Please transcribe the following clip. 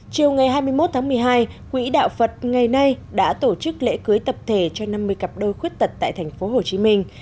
chiều ngày hai mươi một tháng một mươi hai quỹ đạo phật ngày nay đã tổ chức lễ cưới tập thể cho năm mươi cặp đôi khuyết tật tại thành phố hồ chí minh